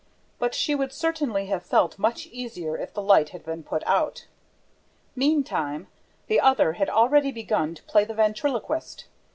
But she would certainly have felt much easier if the light had been put out. Meantime, the other had already begun to play the ventriloquist.